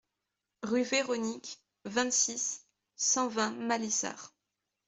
Rue Véronique, vingt-six, cent vingt Malissard